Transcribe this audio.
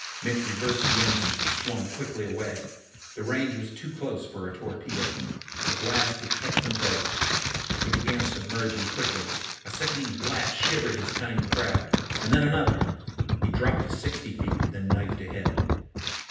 Mitch reversed the engines and swung quickly away. The range was too close for a torpedo. The blast would catch them both. He began submerging quickly. A sickening blast shivered his tiny craft, and then another. He dropped to sixty feet, then knifed ahead.